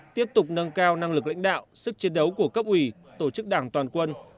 tiếp tục nâng cao năng lực lãnh đạo sức chiến đấu của cấp ủy tổ chức đảng toàn quân